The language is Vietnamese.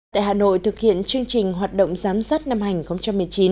tại hà nội thực hiện chương trình hoạt động giám sát năm hành một mươi chín